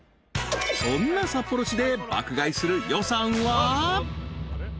［そんな札幌市で爆買いする予算は］